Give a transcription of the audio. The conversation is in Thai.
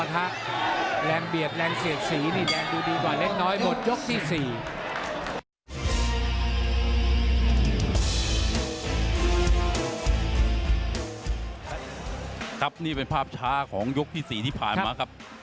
ครับนี่เป็นภาพช้าของยกที่๔ที่ผ่านมาครับ